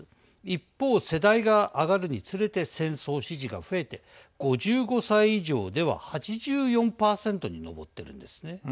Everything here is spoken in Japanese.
一方、世代が上がるにつれて戦争支持が増えて５５歳以上では８４％に上っているんですね。